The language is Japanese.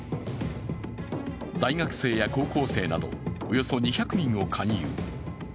大学生や高校生など、およそ２００人を勧誘。